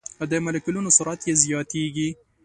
د مالیکولونو سرعت یې زیاتیږي.